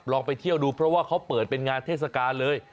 ไปเที่ยวดูเพราะว่าเขาเปิดเป็นงานเทศกาลเลย